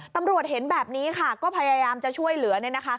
ตำรวจเห็นแบบนี้ค่ะก็พยายามจะช่วยเหลือ